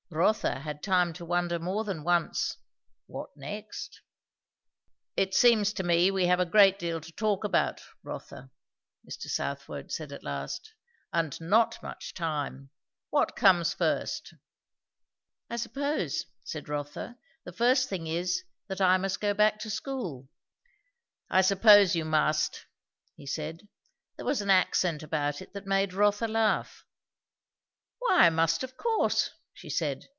Rotha had time to wonder more than once "what next?" "It seems to me we have a great deal to talk about, Rotha," Mr. Southwode said at last. "And not much time. What comes first?" "I suppose," said Rotha, "the first thing is, that I must go back to school." "I suppose you must!" he said. There was an accent about it that made Rotha laugh. "Why I must of course!" she said.